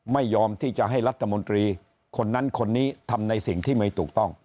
ไม่ยอมที่จะให้รัฐมนตรีคนนั้นคนนี้ทำในสิ่งที่ไม่ถูกต้อง